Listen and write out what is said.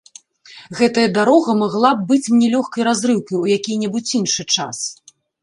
Гэтая дарога магла б быць мне лёгкай разрыўкай у які-небудзь іншы час.